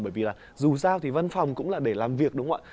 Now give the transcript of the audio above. bởi vì là dù giao thì văn phòng cũng là để làm việc đúng không ạ